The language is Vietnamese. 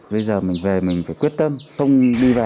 bây giờ mình về mình phải quyết tâm không đi vào